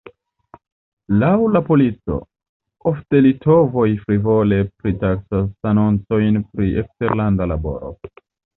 Laŭ la polico, ofte litovoj frivole pritaksas anoncojn pri eksterlanda laboro.